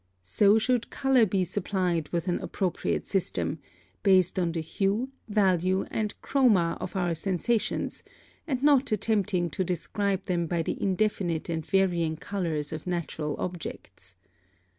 So should color be supplied with an appropriate system, based on the hue, value, and chroma of our sensations, and not attempting to describe them by the indefinite and varying colors of natural objects.